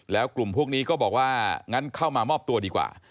แล้วกลุ่มพวกนี้ก็บอกว่างั้นเข้ามามอบตัวดีกว่า